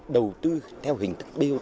đầu tư theo hình thức bình thường